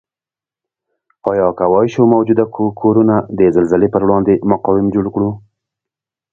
آیا کوای شو موجوده کورنه د زلزلې پروړاندې مقاوم جوړ کړو؟